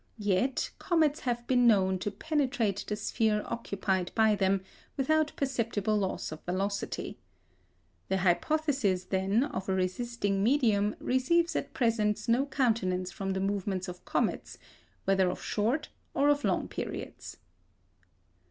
Yet comets have been known to penetrate the sphere occupied by them without perceptible loss of velocity. The hypothesis, then, of a resisting medium receives at present no countenance from the movements of comets, whether of short or of long periods.